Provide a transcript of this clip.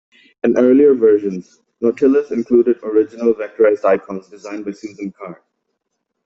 In earlier versions, Nautilus included original vectorized icons designed by Susan Kare.